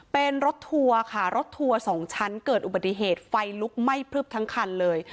เป็นรถทัวร์ค่ะรถทัวร์๒ชั้นเกิดอุบัติเหตุไฟลุกไหม้พลึบทั้งคันเลย